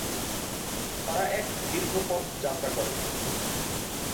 তারা এক দীর্ঘ পথ যাত্রা করে।